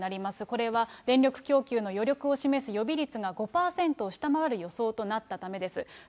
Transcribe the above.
これは電力供給の余力を示す予備率が５％を下回る予想となったためです。